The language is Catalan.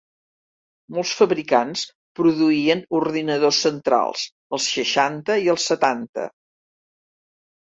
Molts fabricants produïen ordinadors centrals als seixanta i als setanta.